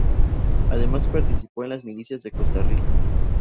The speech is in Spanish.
Además participó en las milicias de Costa Rica.